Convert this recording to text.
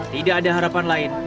tidak ada harapan lain